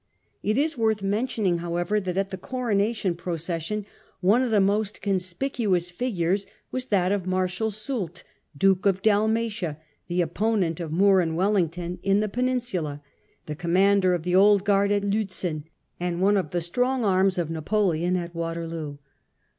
It is worth mentioning, however, that at the coronation proces sion one of the most conspicuous figures was that of Marshal Soult, Duke of Dalmatia, the opponent of Moore and "Wellington in the Peninsula, the com mander of the Old Guard at Liitzen, and one of the strong arms of Napoleon at Waterloo.